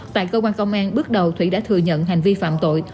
tại cơ quan công an bước đầu thủy đã thừa nhận hành vi phạm tội